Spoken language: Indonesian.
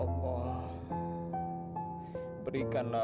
buku ya allah